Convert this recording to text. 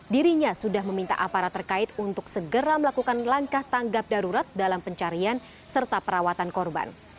dirinya sudah meminta aparat terkait untuk segera melakukan langkah tanggap darurat dalam pencarian serta perawatan korban